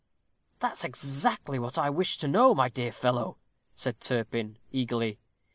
"That's exactly what I wish to know, my dear fellow," said Turpin, eagerly.